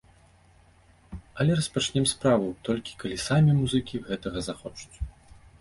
Але распачнем справу, толькі калі самі музыкі гэтага захочуць.